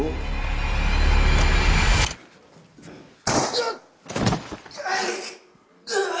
うっ！